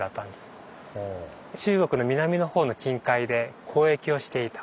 中国の南のほうの近海で交易をしていた。